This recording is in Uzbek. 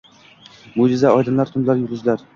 Mo‘’jiza – oydinlar, tunlar, yulduzlar…